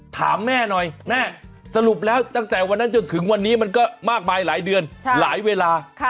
ถามแม่หน่อยแม่สรุปแล้วตั้งแต่วันนั้นจนถึงวันนี้มันก็มากมายหลายเดือนหลายเวลา